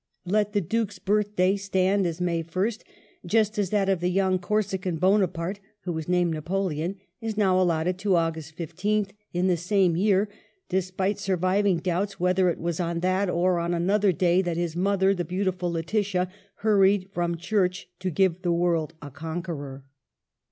Let the Duke's birthday stand as May 1st, just as that of the young Corsican, Bonaparte, who was named Napoleon, is now allotted to August 15th in the same year, despite surviving doubts whether it was on that or on another day that his mother, the beautiful Laetitia, hurried from church to give the world a conqueror.